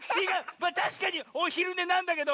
まあたしかにおひるねなんだけど。